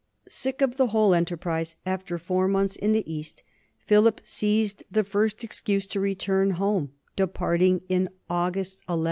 Sick of the whole en terprise, after four months in the East, Philip seized the first excuse to return home, departing in August, 1191.